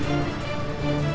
jangan pak landung